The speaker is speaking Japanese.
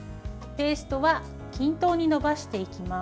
ペーストは均等に伸ばしていきます。